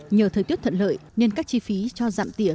nhờ thời tiết thuận lợi nên các chi phí cho giảm tỉa